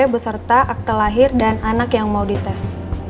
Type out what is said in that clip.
beserta akte lahir dan anak yang mau dites